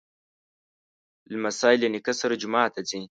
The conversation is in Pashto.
لمسی له نیکه سره جومات ته ځي.